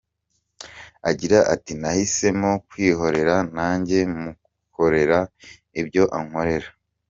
Agira ati “Nahisemo kwihorera nanjye mukorera ibyo ankorera.